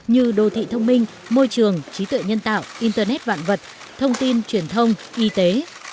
như đô thị thông minh môi trường trí tuệ nhân tạo internet vạn vật thông tin truyền thông y tế